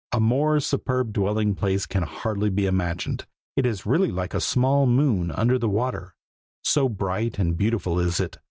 A more superb dwelling place can hardly be imagined. It is really like a small moon under the water, so bright and beautiful is it.